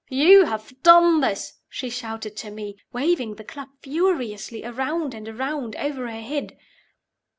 "You have done this!" she shouted to me, waving the club furiously around and around over her head.